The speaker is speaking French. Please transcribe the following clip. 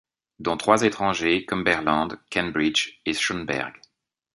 dont trois étrangers, Cumberland, Cambridge et Schonberg.